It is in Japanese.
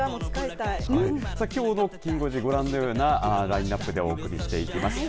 きょうのきん５時ご覧のようなラインアップでお送りしていきます。